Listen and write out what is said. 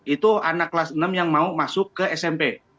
itu anak kelas enam yang mau masuk ke smp